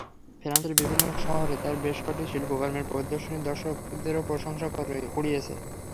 ফ্রান্সের বিভিন্ন শহরে তাঁর বেশ কটি শিল্পকর্মের প্রদর্শনী দর্শকদের প্রশংসাও কুড়িয়েছে।